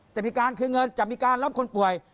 จับมีการเครื่องเงินจับมีการรับคนป่วย